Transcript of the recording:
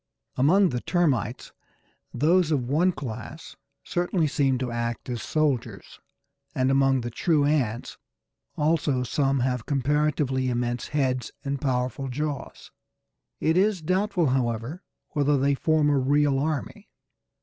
Among the Termites, those of one class certainly seem to act as soldiers, and among the true ants also some have comparatively immense heads and powerful jaws. It is doubtful, however, whether they form a real army.